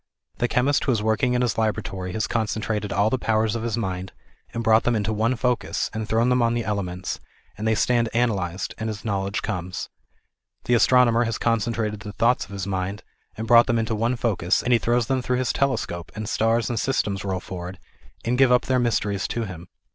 The chemist who is working in his laboratory has concen trated all the powers of his mind, and brought them into one focus, and thrown them on the elements, and they 320 THE IDEAL OF A UNIVERSAL RELIGION. stand analysed, and his knowledge comes. The astrono mer has concentrated the thoughts of his mind, and brought them into one focus, and he throws them through ^ his telescope, and stars and systems roll forward and give up their mysteries to him.